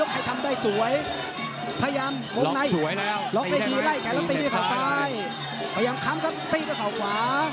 พยารคำก็ติดที่ข่าวขวา